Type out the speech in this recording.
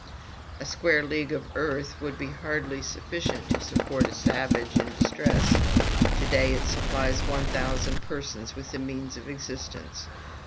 A square league of earth would be hardly sufficient to support a savage in distress; to day it supplies one thousand persons with the means of existence.